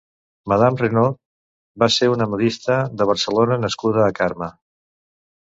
Madame Renaud va ser una modista de Barcelona nascuda a Carme.